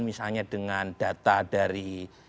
misalnya dengan data dari